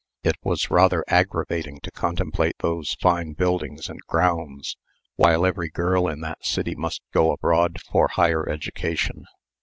It was rather aggravating to contemplate those fine buildings and grounds, while every girl in that city must go abroad for higher education.